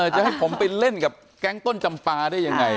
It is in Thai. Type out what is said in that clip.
จะให้ผมไปเล่นกับแก๊งต้นจำปลาได้ยังไง